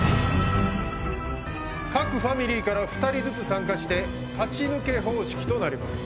各ファミリーから２人ずつ参加して勝ち抜け方式となります。